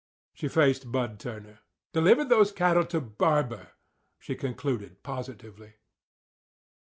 She faced Bud Turner. "Deliver those cattle to Barber," she concluded positively.